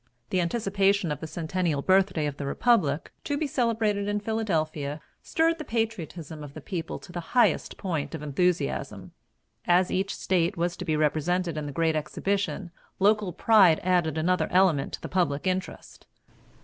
The anticipation of the centennial birthday of the Republic, to be celebrated in Philadelphia, stirred the patriotism of the people to the highest point of enthusiasm. As each State was to be represented in the great exhibition, local pride added another element to the public interest.